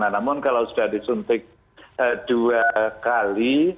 namun kalau sudah disuntik dua kali